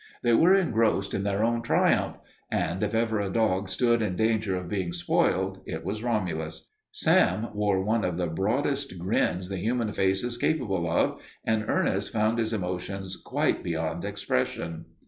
They were engrossed in their own triumph, and if ever a dog stood in danger of being spoiled, it was Romulus. Sam wore one of the broadest grins the human face is capable of and Ernest found his emotions quite beyond expression.